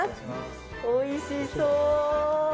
おいしそう。